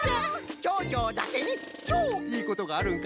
ちょうちょうだけにちょういいことがあるんか。